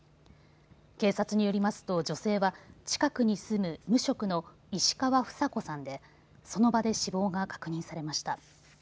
警察によりますと女性は近くに住む無職の石川フサ子さんでその場で死亡が確認されました。